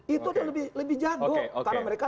itu tuh lebih jadul karena mereka